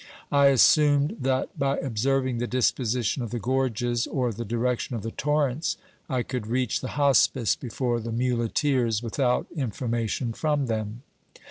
I assumed that by observing the disposition of the gorges or the direction of the torrents I could reach the hospice before the muleteers, without information from them.